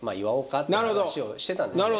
って話をしてたんですね。